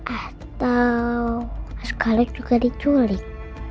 atau askara juga diculik